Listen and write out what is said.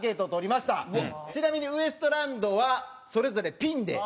ちなみにウエストランドはそれぞれピンで。